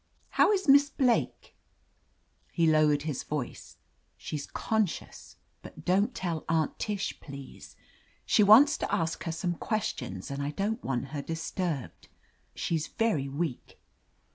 "How is Miss Blake?" He lowered his voice* "She's consci9us, but don't tell Atmt Tish, please. She wants to ask her some questions, and I don't want her disturbed. She's very weak."